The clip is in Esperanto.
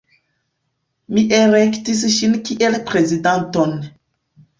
Mi elektis ŝin kiel prezidanton.